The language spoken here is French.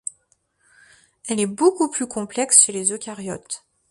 Elle est beaucoup plus complexe chez les eucaryotes.